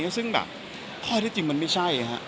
ซึ่งแบบค่อยจริงมันไม่ใช่